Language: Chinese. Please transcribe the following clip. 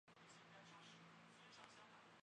顶骨缺少中线骨架的最前缘。